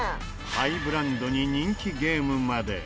ハイブランドに人気ゲームまで。